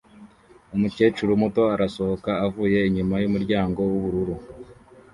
Umukecuru muto arasohoka avuye inyuma yumuryango wubururu